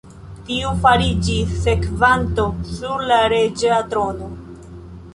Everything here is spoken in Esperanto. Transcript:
Tiu fariĝis sekvanto sur la reĝa trono.